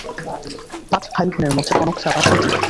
পাঁচ ভাই বোনের মধ্যে কনক চাঁপা তৃতীয়।